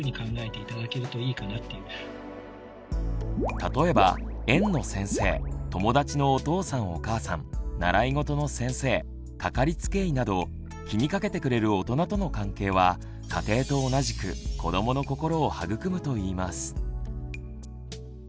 例えば園の先生友達のお父さんお母さん習い事の先生かかりつけ医など気にかけてくれる大人との関係は家庭と同じく子どもの心を育むといいます。